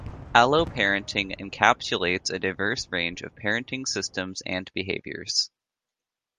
Alloparenting encapsulates a diverse range of parenting systems and behaviours.